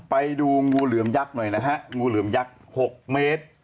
ไปดูงูเหลือมยักษ์หน่อยนะฮะงูเหลือมยักษ์๖เมตร